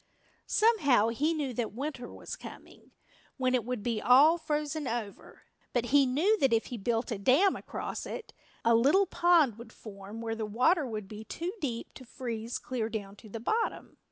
Somehow he knew that winter was coming, when it would be all frozen over. But he knew that if he built a dam across it, a little pond would form where the water would be too deep to freeze clear down to the bottom.